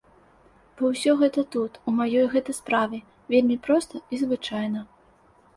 Бо ўсё гэта тут, у маёй гэтай справе, вельмі проста і звычайна.